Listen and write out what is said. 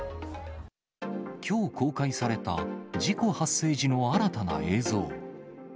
きょう公開された、事故発生時の新たな映像。